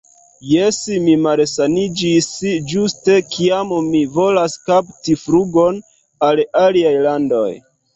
Jes, mi malsaniĝis ĝuste kiam mi volas kapti flugon al aliaj landoj